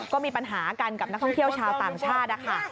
ก็มีปัญหากันกับนักท่องเที่ยวชาวต่างชาตินะคะ